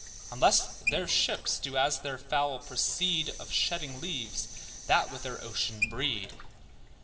(Unless their ships, do, as their fowl proceed Of shedding leaves, that with their ocean breed).